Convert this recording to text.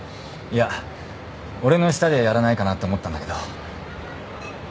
いや俺の下でやらないかなって思ったんだけど。